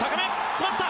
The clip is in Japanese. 詰まった！